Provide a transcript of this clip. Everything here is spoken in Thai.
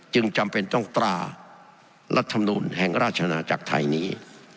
จึงจำเป็นต้องตรารัฐมนูลแห่งราชนาจักรไทยนี้